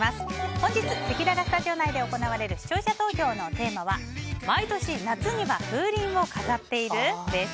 本日せきららスタジオ内で行われる視聴者投票のテーマは毎年夏には風鈴を飾っている？です。